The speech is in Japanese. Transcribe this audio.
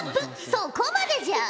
そこまでじゃ！